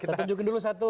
saya tunjukin dulu satu